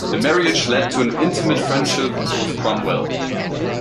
The marriage led to an intimate friendship with Cromwell.